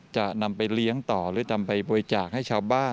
จะนำไปเลี้ยงต่อหรือนำไปบริจาคให้ชาวบ้าน